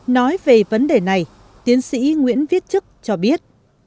nói về vấn đề này tiến sĩ nguyễn viết chức cho biết